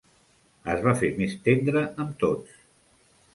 Es va fer més tendre amb tots.